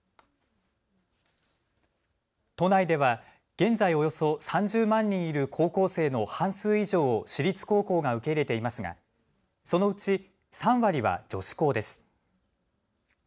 都内では現在およそ３０万人いる高校生の半数以上を私立高校が受け入れていますがそのうち３割は女子校です。